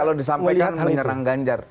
kalau disampaikan menyerang ganjar